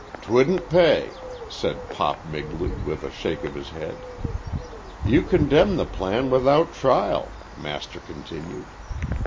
"'Twouldn't pay," said "Pop" Migley, with a shake of his head. "You condemn the plan without trial," Master continued.